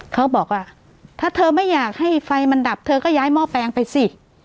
เขาบอกว่าถ้าเธอไม่อยากให้ไฟมันดับเธอก็ย้ายหม้อแปลงไปสิ